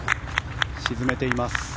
沈めています。